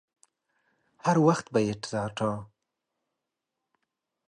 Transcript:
هر وخت به يې تراټه.